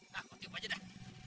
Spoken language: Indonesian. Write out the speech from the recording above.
nah gue tiup aja dah